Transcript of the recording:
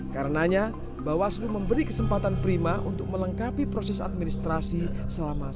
karenanya bawaslu memberi kesempatan prima untuk melengkapi proses administrasi pemilu